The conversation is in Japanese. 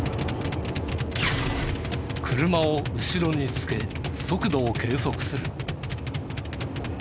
車を後ろにつけ速度を計測する。